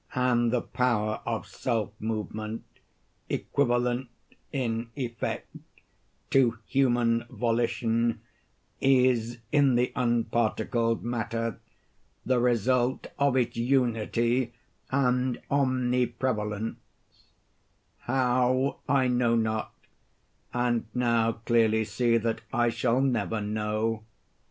And the power of self movement (equivalent in effect to human volition) is, in the unparticled matter, the result of its unity and omniprevalence; how I know not, and now clearly see that I shall never know.